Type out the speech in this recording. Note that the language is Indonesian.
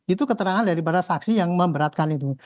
itu keterangan daripada saksi yang memberatkan itu